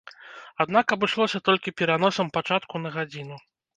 Аднак абышлося толькі пераносам пачатку на гадзіну.